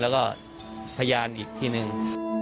แล้วก็พยานอีกทีหนึ่ง